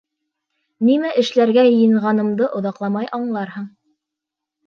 Нимә эшләргә йыйынғанымды оҙаҡламай аңларһың.